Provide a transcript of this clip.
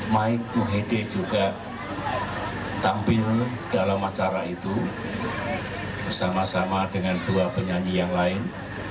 mike muhede juga tampil dalam acara itu bersama sama dengan dua penyanyi yang lain